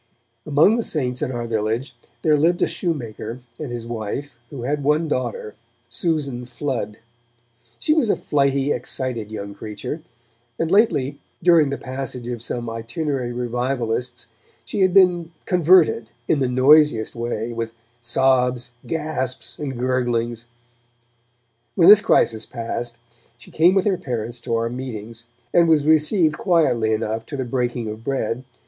Among the 'Saints' in our village there lived a shoemaker and his wife, who had one daughter, Susan Flood. She was a flighty, excited young creature, and lately, during the passage of some itinerary revivalists, she had been 'converted' in the noisiest way, with sobs, gasps and gurglings. When this crisis passed, she came with her parents to our meetings, and was received quietly enough to the breaking of bread.